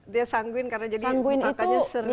dia sangguin karena jadi makanya sering